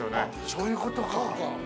◆そういうことか。